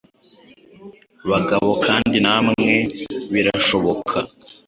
Bagabo kandi namwe birashoboka